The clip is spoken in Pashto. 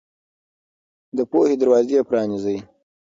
د پوهې دروازې پرانيزئ.